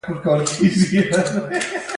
مجازات د اصلاح لپاره دي